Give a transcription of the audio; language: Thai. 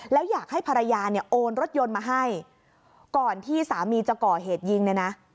แล้วอยากให้ภรรยาเนี่ยโอนรถยนต์มาให้ก่อนที่สามีจะก่อเหตุยิงเนี่ยนะ